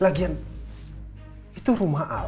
lagian itu rumah al